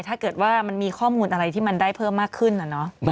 ถ้าเกิดว่ามันมีข้อมูลอะไรที่มันได้เพิ่มมากขึ้น